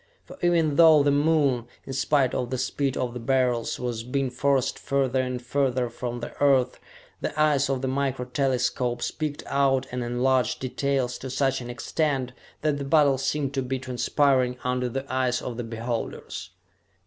For even though the Moon, in spite of the speed of the Beryls, was being forced further and further from the Earth, the eyes of the micro telescopes picked out and enlarged details to such an extent that the battle seemed to be transpiring under the eyes of the beholders.